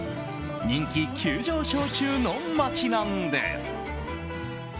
人気急上昇中の街なんです。